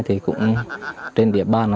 trên địa bàn